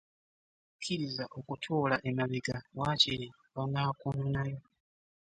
Kkiriza okutuula emabega waakiri banaakunonayo.